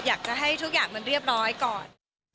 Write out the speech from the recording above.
อยากจะให้ทุกอย่างมันเรียบร้อยก่อน